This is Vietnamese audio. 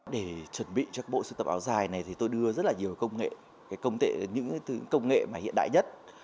để chuẩn bị cho bộ sưu tập áo dài này thì tôi đưa rất là nhiều công nghệ những công nghệ mà hiện đại nhất